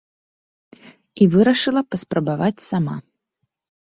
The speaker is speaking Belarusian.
І вырашыла паспрабаваць сама.